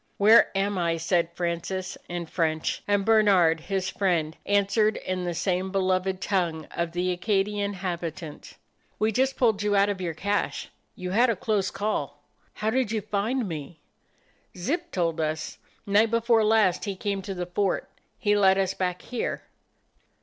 "Where am I?" said Francis, in French, and Bernard, his friend, answered in the same beloved tongue of the Acadian habitant. "We just pulled you out of your cache. You had a close call." "How did you find me?" "Zip told us. Night before last he came to the fort. He led us back here."